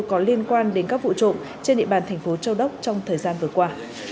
có liên quan đến các vụ trộn trên địa bàn tp châu đốc trong thời gian vừa qua